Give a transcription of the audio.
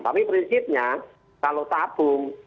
tapi prinsipnya kalau tabung